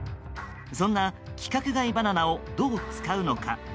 そんな規格外バナナをどう使うのか。